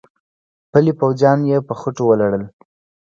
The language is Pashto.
پلي پوځیان يې په خټو ولړل.